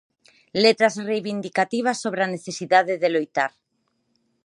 Letras reivindicativas sobre a necesidade de loitar.